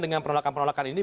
dengan penolakan penolakan ini